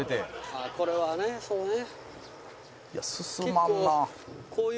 あっこれはねそうね。